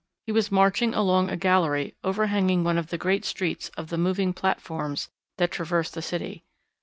He was marching along a gallery overhanging one of the great streets of the moving platforms that traversed the city.